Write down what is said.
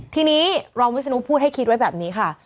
ทีนี้รองวิศนุพูดให้คิดไว้แบบนี้ค่ะ